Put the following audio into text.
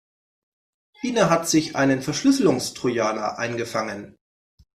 Ina hat sich einen Verschlüsselungstrojaner eingefangen.